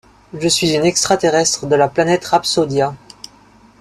Je suis une extra-terrestre de la planète Rhapsodia.